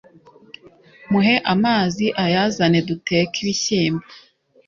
muhe amazi ayazane duteke ibishyimbo